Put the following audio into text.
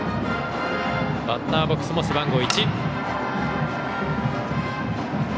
バッターボックスも背番号１。